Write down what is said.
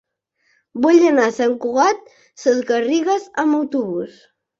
Vull anar a Sant Cugat Sesgarrigues amb autobús.